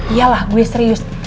iya lah gue serius